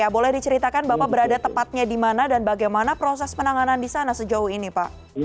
boleh diceritakan bapak berada tepatnya di mana dan bagaimana proses penanganan di sana sejauh ini pak